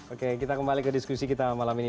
oke kita kembali ke diskusi kita malam ini